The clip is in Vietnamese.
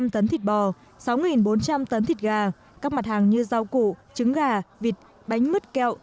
một trăm linh tấn thịt bò sáu bốn trăm linh tấn thịt gà các mặt hàng như rau củ trứng gà vịt bánh mứt kẹo